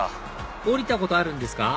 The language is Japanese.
降りたことあるんですか？